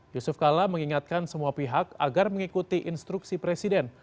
yusuf kala mengingatkan semua pihak agar mengikuti instruksi presiden